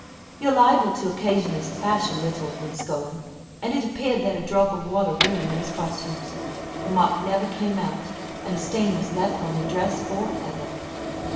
You are liable to occasionally splash a little when sculling, and it appeared that a drop of water ruined those costumes. The mark never came out, and a stain was left on the dress for ever.